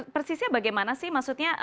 persisnya bagaimana sih maksudnya